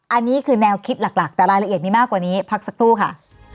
อันนี้คือแนวคิดหลักแต่รายละเอียดมีมากกว่านี้พักสักครู่ค่ะ